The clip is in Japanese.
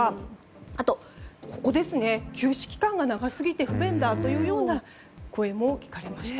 あと、休止期間が長すぎて不便だという声も聞かれました。